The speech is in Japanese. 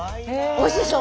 おいしいでしょ？